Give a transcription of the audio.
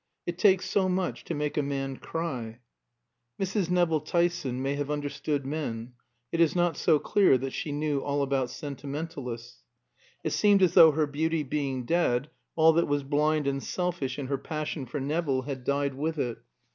It takes so much to make a man cry. Mrs. Nevill Tyson may have understood men; it is not so clear that she knew all about sentimentalists. It seemed as though her beauty being dead, all that was blind and selfish in her passion for Nevill had died with it.